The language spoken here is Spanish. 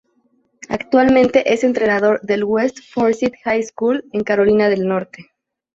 Actualmente es entrenador del West Forsyth High School en Carolina del Norte.